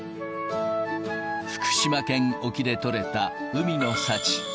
福島県沖で取れた海の幸。